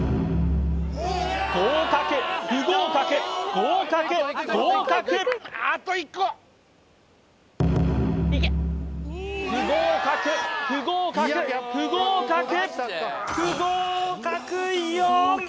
合格不合格合格合格不合格不合格不合格不合格４！